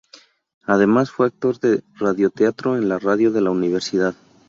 Además fue actor de radioteatro en la Radio de la universidad.